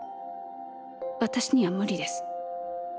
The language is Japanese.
私には無理です。